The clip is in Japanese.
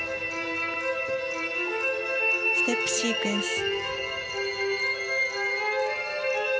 ステップシークエンス。